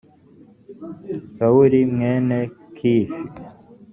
sawuli mwene kishi